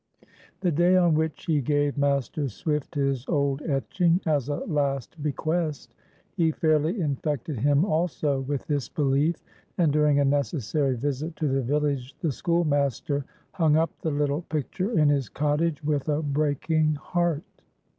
The day on which he gave Master Swift his old etching as a last bequest, he fairly infected him also with this belief, and during a necessary visit to the village the schoolmaster hung up the little picture in his cottage with a breaking heart.